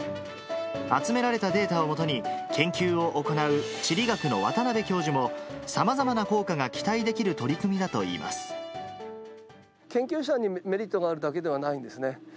集められたデータを基に、研究を行う地理学の渡辺教授も、さまざまな効果が期待できる取り研究者にメリットがあるだけではないんですね。